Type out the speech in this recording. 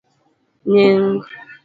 Nying'.